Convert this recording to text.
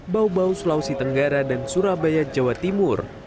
bau bau sulawesi tenggara dan surabaya jawa timur